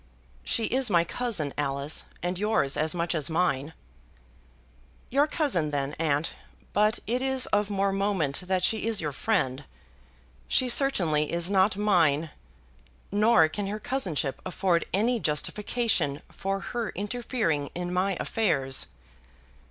"She is my cousin, Alice; and yours as much as mine." "Your cousin then, aunt. But it is of more moment that she is your friend. She certainly is not mine, nor can her cousinship afford any justification for her interfering in my affairs."